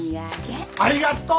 ありがとう！